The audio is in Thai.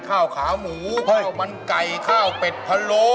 ข้าวขาวหมูข้าวมันไก่ข้าวเป็ดพะโล